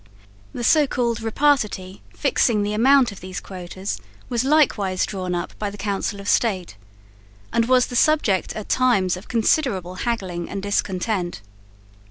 The so called repartitie fixing the amount of these quotas was likewise drawn up by the Council of State, and was the subject at times of considerable haggling and discontent.